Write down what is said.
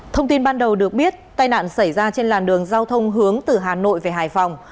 thông tin ban đầu được biết tai nạn xảy ra trên làn đường giao thông hướng từ hà nội về hải phòng